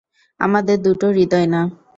আমাদের দুটো হৃদয় না।